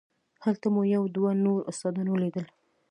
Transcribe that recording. هلته مو یو دوه نور استادان ولیدل.